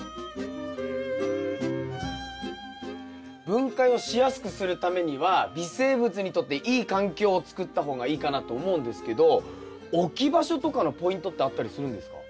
分解をしやすくするためには微生物にとっていい環境をつくった方がいいかなと思うんですけど置き場所とかのポイントってあったりするんですか？